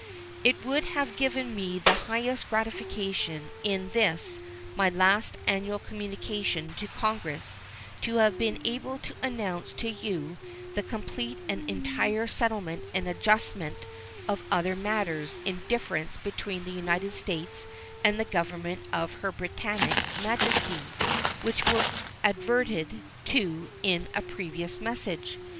It would have given me the highest gratification in this my last annual communication to Congress to have been able to announce to you the complete and entire settlement and adjustment of other matters in difference between the United States and the Government of Her Britannic Majesty, which were adverted to in a previous message.